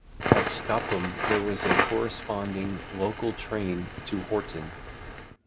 At Skoppum there was a corresponding local train to Horten.